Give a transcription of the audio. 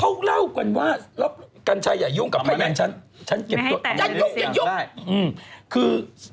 เราเรากันว่ากันช่ายอย่ายุ่งกับพยานอย่ายุ่ง